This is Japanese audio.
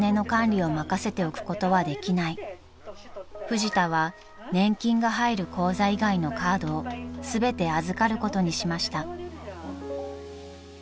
［フジタは年金が入る口座以外のカードを全て預かることにしました］